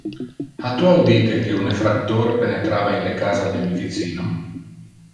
Ha tu audite que un effractor penetrava in le casa de mi vicino?